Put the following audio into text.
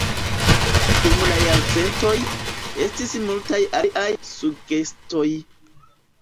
Dum la jarcentoj, estis multaj aliaj sugestoj.